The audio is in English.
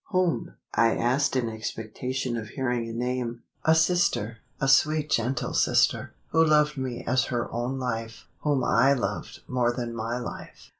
"Whom?" I asked in expectation of hearing a name. "A sister a sweet gentle sister, who loved me as her own life whom I loved more than my life.